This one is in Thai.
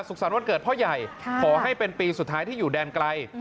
สรรวันเกิดพ่อใหญ่ขอให้เป็นปีสุดท้ายที่อยู่แดนไกล